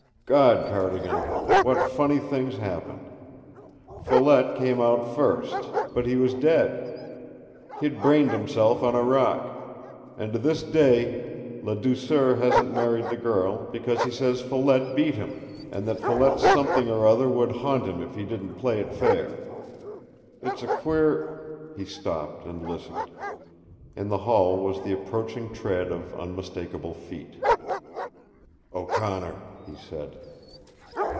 Gawd, Cardigan, what funny things happen! Follette came out first, but he was dead. He'd brained himself on a rock. And to this day Ladouceur hasn't married the girl, because he says Follette beat him; and that Follette's something or other would haunt him if he didn't play fair. It's a queer " He stopped and listened. In the hall was the approaching tread of unmistakable feet. "O'Connor," he said.